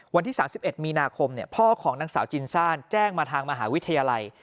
วันที่๓๑มีนาคมพ่อของนางสาวจินซ่านแจ้งมาทางมหาวิทยาลัย